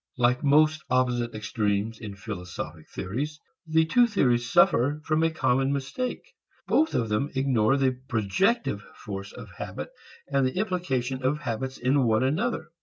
Like most opposite extremes in philosophic theories, the two theories suffer from a common mistake. Both of them ignore the projective force of habit and the implication of habits in one another.